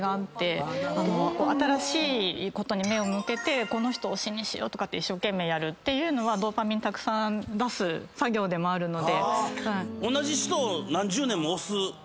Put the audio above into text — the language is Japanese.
新しいことに目を向けてこの人推しにしようとかって一生懸命やるっていうのはドーパミンたくさん出す作業でもあるので。